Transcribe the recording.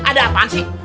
ada apaan sih